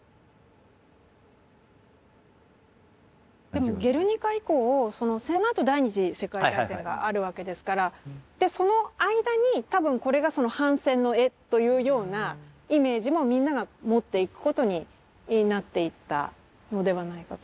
でも「ゲルニカ」以降そのあと第二次世界大戦があるわけですからでその間に多分これがその反戦の絵というようなイメージもみんなが持っていくことになっていったのではないかと。